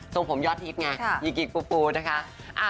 ทรงผมยอดทิศไงยิกปูนะคะ